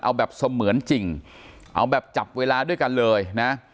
เอาแบบเสมือนจริงเอาแบบจับเวลาด้วยกันเลยนะ